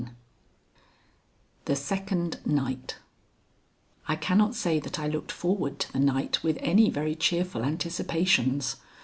XVIII THE SECOND NIGHT I cannot say that I looked forward to the night with any very cheerful anticipations.